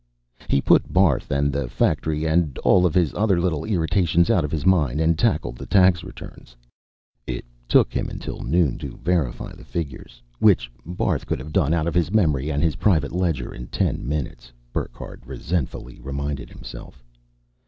He put Barth and the factory and all his other little irritations out of his mind and tackled the tax returns. It took him until noon to verify the figures which Barth could have done out of his memory and his private ledger in ten minutes, Burckhardt resentfully reminded himself.